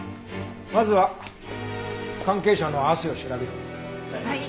まずは関係者の汗を調べよう。